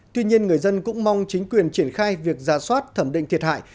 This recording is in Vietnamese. tuy nhiên người dân cũng mong chính quyền triển khai việc ra soát thẩm định thiệt hại